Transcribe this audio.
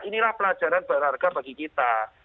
inilah pelajaran berharga bagi kita